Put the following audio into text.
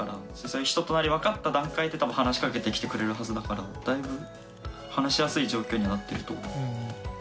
そういう人となり分かった段階で多分話しかけてきてくれるはずだからだいぶ話しやすい状況にはなってると思う。